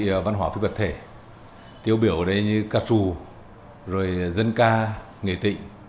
giá trị văn hóa phía vật thể tiêu biểu ở đây như ca trù rồi dân ca nghề tịnh